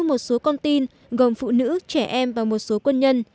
các tay súng đã giữ một số con tin gồm phụ nữ trẻ em và một số quân nhân